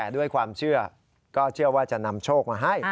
ด้วยความเชื่อก็เชื่อว่าจะนำโชคมาให้